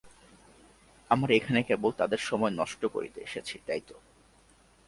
আমরা এখানে কেবল তাদের সময় নস্ট করতে এসেছি, তাই তো?